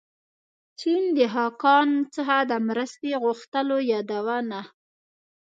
چین د خاقان څخه د مرستې غوښتلو یادونه.